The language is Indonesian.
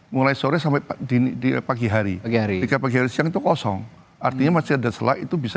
mulai sore sampai dini di pagi hari tiga pagi hari siang itu kosong artinya masih ada selak itu bisa